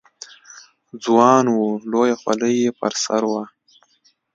ځوان و، لویه خولۍ یې پر سر وه.